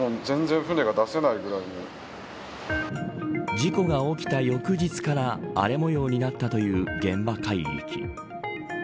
事故が起きた翌日から荒れ模様になったという現場海域。